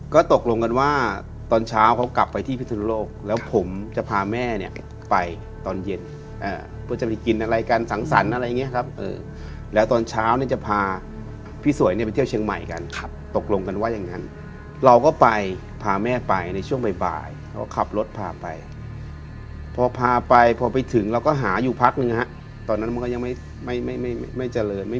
ก็ตกลงกันว่าตอนเช้าเขากลับไปที่พิศนุโลกแล้วผมจะพาแม่เนี่ยไปตอนเย็นเพื่อจะไปกินอะไรกันสังสรรค์อะไรอย่างเงี้ยครับแล้วตอนเช้าเนี่ยจะพาพี่สวยเนี่ยไปเที่ยวเชียงใหม่กันครับตกลงกันว่าอย่างนั้นเราก็ไปพาแม่ไปในช่วงบ่ายเขาขับรถพาไปพอพาไปพอไปถึงเราก็หาอยู่พักนึงฮะตอนนั้นมันก็ยังไม่ไม่ไม่เจริญไม่